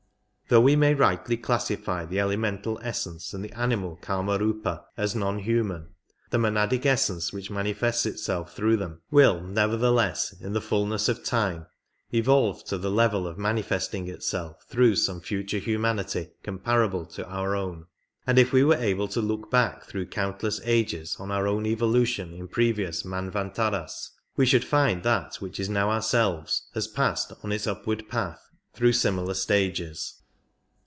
Though we may rightly classify the elemental essence and the animal Kamarfipa as non human, the monadic essence which manifests itself through them will, nevertheless, in the ful ness of time, evolve to the level of manifesting itself through some future humanity comparable to our own, and if we were able to look back through countless ages on our own evolution in previous manvantaras, we should find that that which is now ourselves has passed on its upward path through similar stages.